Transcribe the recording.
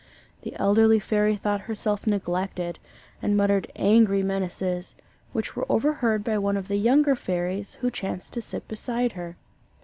The elderly fairy thought herself neglected, and muttered angry menaces, which were overheard by one of the younger fairies, who chanced to sit beside her.